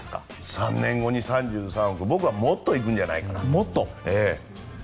３年後に３３億、僕はもっといくんじゃないかなと。